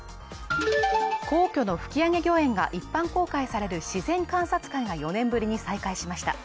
皇居の吹上御苑が一般公開される自然観察会が４年ぶりに再開しました。